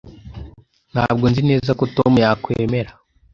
Ntabwo nzi neza ko Tom yakwemera.